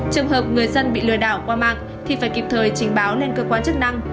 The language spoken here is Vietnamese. trường hợp người dân bị lừa đảo qua mạng thì phải kịp thời trình báo lên cơ quan chức năng